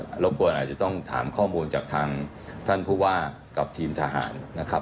รบกวนอาจจะต้องถามข้อมูลจากทางท่านผู้ว่ากับทีมทหารนะครับ